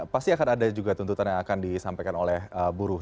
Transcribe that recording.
pasti akan ada juga tuntutan yang akan disampaikan oleh buruh